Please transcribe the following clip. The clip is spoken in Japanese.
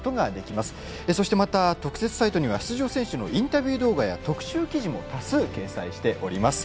また特設サイトには出場選手のインタビュー動画や特集記事も多数掲載しています。